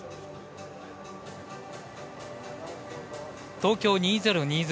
東京２０２０